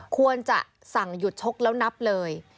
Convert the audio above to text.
ควรจะสั่งหยุดชกแล้วนับเลย